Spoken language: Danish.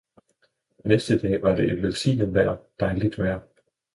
Næste dag var det et velsignet, dejligt vejr.